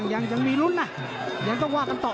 ยังมีลุ้นนะยังต้องว่ากันต่อ